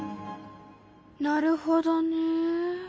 なるほどね。